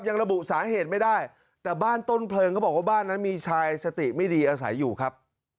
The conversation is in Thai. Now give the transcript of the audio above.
ยังระบุสาเหตุไม่ได้แต่บ้านต้นเพลิงก็บอกว่าบ้านนั้นมีชายสติไม่ดีอาศัยอยู่ครับ